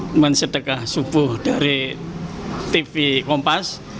cuma sedekah subuh dari tv kompas